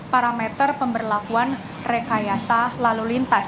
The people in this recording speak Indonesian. parameter pemberlakuan rekayasa lalu lintas